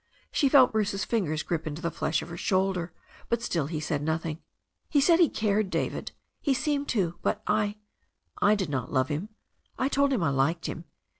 She felt Bruce's fingers grip into the flesh of her shoulder, but still he said nothing. "He said he cared, David. He seemed to, but I — ^I did not love him. I told him I liked him.